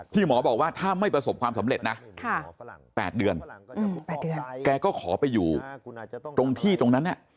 หมอบอกว่าถ้าไม่ประสบความสำเร็จนะ๘เดือน๘เดือนแกก็ขอไปอยู่ตรงที่ตรงนั้นเนี่ย